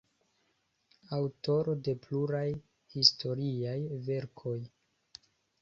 Aŭtoro de pluraj historiaj verkoj.